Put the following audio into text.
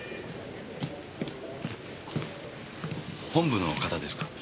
本部の方ですか？